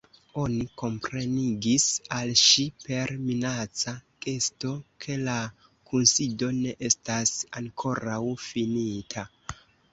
Oni komprenigis al ŝi, per minaca gesto, ke la kunsido ne estas ankoraŭ finita.